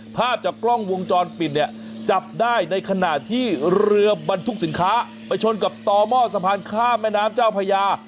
ภาพจากกล้องวงจรปิดเนี่ยจับได้ในขณะที่เรือบรรทุกสินค้าไปชนกับต่อหม้อสะพานข้ามแม่น้ำเจ้าพญา